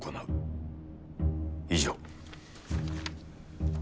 以上。